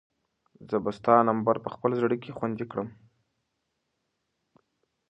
زه به ستا نمبر په خپل زړه کې خوندي کړم.